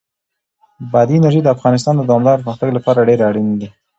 بادي انرژي د افغانستان د دوامداره پرمختګ لپاره ډېر اړین دي.